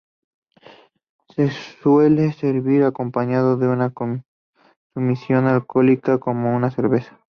Se suele servir acompañado de una consumición alcohólica como una cerveza.